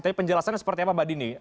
tapi penjelasannya seperti apa mbak dini